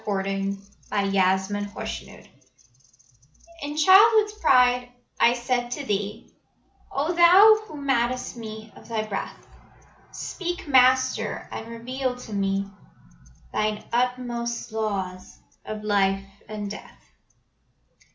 Sarojini Naidu The Soul's Prayer In childhood's pride I said to Thee: "O Thou, who mad'st me of Thy breath, Speak, Master, and reveal to me Thine inmost laws of life and death.